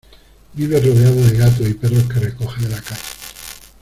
Vive rodeado de gatos y perros que recoge de la calle.